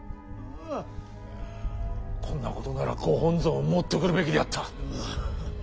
こんなことならご本尊を持ってくるべきであった。